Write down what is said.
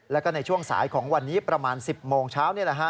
แล้วก็ในช่วงสายของวันนี้ประมาณ๑๐โมงเช้านี่แหละฮะ